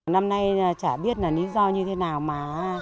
năm nay chả biết là lý do như thế nào mà